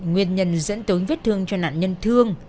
nguyên nhân dẫn tới vết thương cho nạn nhân thương